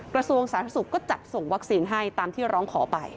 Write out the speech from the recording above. กระทรวงสาธารณสุขก็จัดส่งวัคซีนให้ตามที่ร้องขอไป